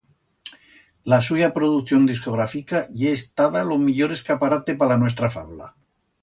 La suya producción discografica ye estada lo millor escaparate pa la nuestra fabla.